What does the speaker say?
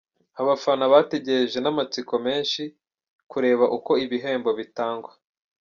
Abafana bategereje n’amatsiko menshi kureba uko ibihembo bitangwa .